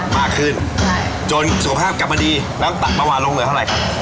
มาขึ้นจนสุขภาพกลับมาดีแล้วตัดประวัติลงเหลือเท่าไรครับ